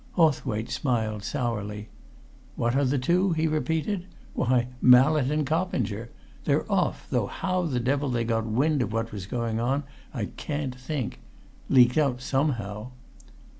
Hawthwaite smiled sourly. "What other two?" he repeated. "Why, Mallett and Coppinger! They're off, though how the devil they got wind of what was going on I can't think. Leaked out, somehow."